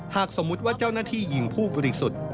หากสมมุติว่าเจ้าหน้าที่ยิงผู้บริสุทธิ์